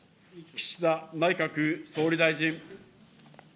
岸田内閣総理大臣。